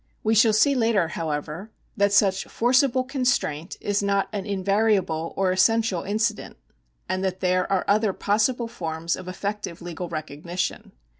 We shall see later, however, that such forcible constraint is not an invariable or essential incident, and that there are other possible forms of effective legal recognition.